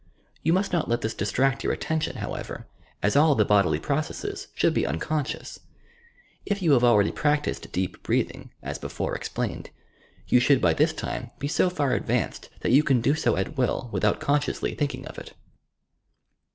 Tou must not let this distract your attention, however, as all the bodily processes should be unconscious. If you have already practised deep breathing, as before explained, you should by this time be so far advanced that you can do so at will without consciously thinking of it.